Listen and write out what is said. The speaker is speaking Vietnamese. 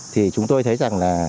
thì chúng tôi thấy rằng là